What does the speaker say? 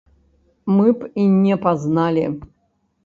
Мы б і не пазналі!